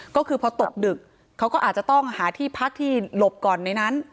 ก็คือพอตกดึกเขาก็อาจจะต้องหาที่พักที่หลบก่อนในนั้น